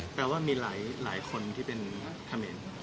แปลว่ามีหลายคนที่เป็นเขมร